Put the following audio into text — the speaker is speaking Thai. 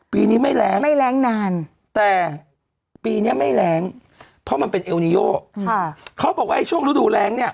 ปีนี้ไม่แรงไม่แรงนานแต่ปีนี้ไม่แรงเพราะมันเป็นเอลนิโยค่ะเขาบอกว่าช่วงฤดูแรงเนี่ย